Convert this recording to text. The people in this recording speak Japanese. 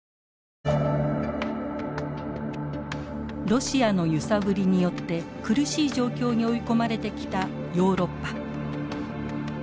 ロシアの揺さぶりによって苦しい状況に追い込まれてきたヨーロッパ。